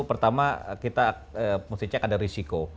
pertama kita mesti cek ada risiko